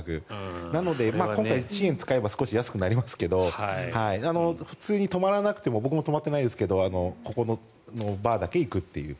なので今回、支援を使えば少し安くなりますが普通に泊まらなくても僕も泊まってないですけどここのバーだけ行くという。